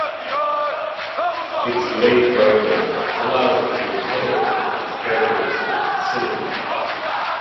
Its late ripening allows it to retain its characteristic acidity.